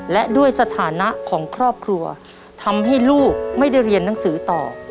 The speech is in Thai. และด้วยสถานะของครอบครัวทำให้ลูกไม่ได้เรียนหนังสือต่อ